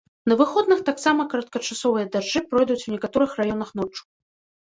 На выходных таксама кароткачасовыя дажджы пройдуць у некаторых раёнах ноччу.